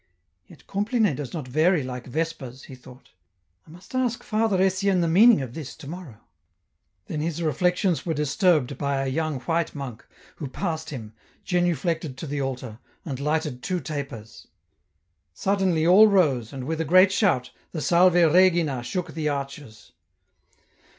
"Yet Compline does not vary like Vespers," he thought," I must ask Father Etienne the meaning of this to morrow." Then his reflections were disturbed by a young white monk, who passed him, genuflected to the altar, and lighted two tapers. Suddenly all rose, and with a great shout, the " Salve Regina " shook the arches.